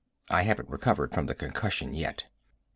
I haven't recovered from the concussion yet.